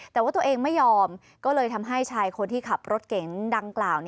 แต่ว่าตัวเองไม่ยอมก็เลยทำให้ชายคนที่ขับรถเก๋งดังกล่าว